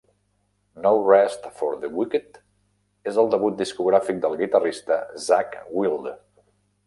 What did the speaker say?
"No Rest for the Wicked" és el debut discogràfic del guitarrista Zakk Wylde.